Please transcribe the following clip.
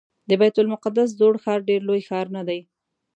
د بیت المقدس زوړ ښار ډېر لوی ښار نه دی.